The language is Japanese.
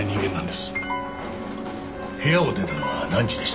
部屋を出たのは何時でした？